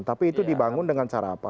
tapi itu dibangun dengan cara apa